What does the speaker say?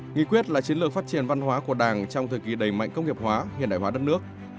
nghị quyết là chiến lược phát triển văn hóa của đảng trong thời kỳ đầy mạnh công nghiệp hóa hiện đại hóa đất nước